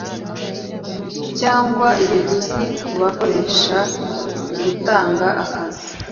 cyangwa ikiguzi kubakoreshagutanga akazi